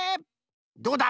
どうだ？